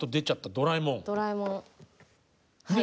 ドラえもんはい。